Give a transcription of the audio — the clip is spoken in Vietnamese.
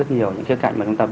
thế nhưng mà